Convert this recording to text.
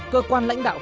cơ quan lãnh đạo